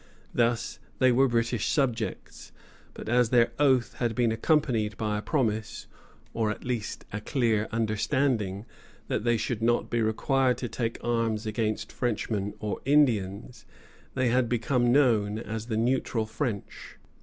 Thus they were British subjects; but as their oath had been accompanied by a promise, or at least a clear understanding, that they should not be required to take arms against Frenchmen or Indians, they had become known as the "Neutral French."